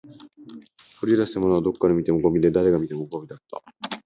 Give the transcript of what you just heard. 掘り出したものはどこから見てもゴミで、誰が見てもゴミだった